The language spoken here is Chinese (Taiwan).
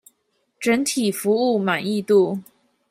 整體服務滿意度